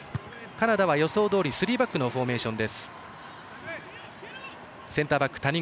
カナダは予想どおりスリーバックのフォーメーション。